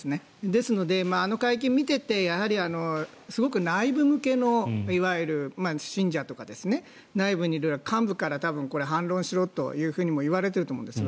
ですのであの会見を見ていてすごく内部向けのいわゆる信者とか内部にいるような幹部から反論しろというふうにも言われていると思うんです。